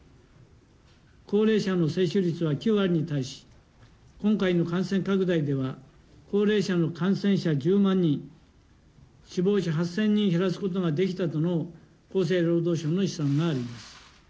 高齢者の接種率は９割に達し、今回の感染拡大では、高齢者の感染者１０万人、死亡者８０００人減らすことができたとの厚生労働省の試算があります。